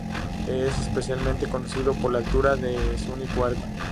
Es especialmente conocido por la altura de su único arco.